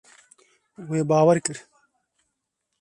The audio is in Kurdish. Wê bawer kir.